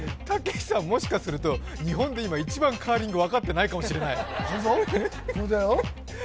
たけしさん、もしかすると日本で今、一番、カーリングが分かっていないかもしれない。